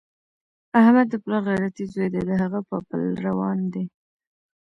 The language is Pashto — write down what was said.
احمد د پلار غیرتي زوی دی، د هغه په پله روان دی.